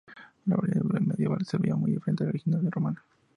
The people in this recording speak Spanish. La variante medieval se veía muy diferente de la original romana.